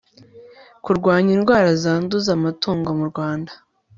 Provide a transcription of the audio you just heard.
kurwanya indwara zanduza amatungo mu rwanda